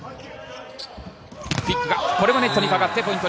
クイックがこれはネットにかかってポイント